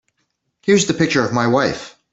Here's the picture of my wife.